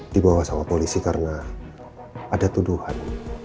dibawa sama polisi karena ada tuduhan